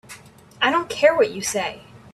I don't care what you say.